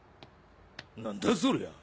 何だそりゃ？